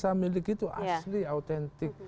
saya miliki itu asli autentik